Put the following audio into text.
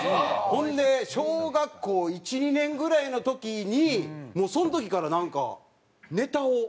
ほんで小学校１２年ぐらいの時にもうその時からなんかネタを。